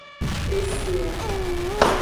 E se a.